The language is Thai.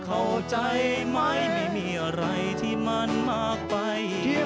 เข้าใจไหมไม่มีอะไรที่มันมากไป